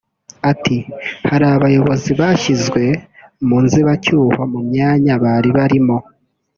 Ati “ Hari abayobozi bashyizwe mu nzibacyuho mu myanya bari barimo